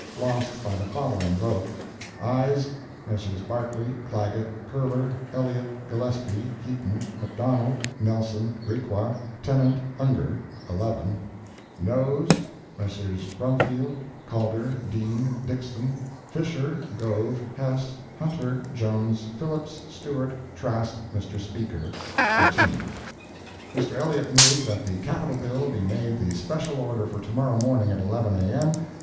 Lost by the following vote: AYES—Messrs. Barclay, Clagett, Curler, Elliott, Gillespie, Heaton, McDonald, Nelson, Requa, Tennant, Ungar—11 NOES Messrs. Brumfield, Calder, Dean, Dixson, Fisher, Gove, Hess, Hunter, Jones, Phillips, Stewart, Trask, Mr. Speaker—13. Mr. Elliott moved that the Capital Bill be made the special order for tomorrow morning at 11 A.M.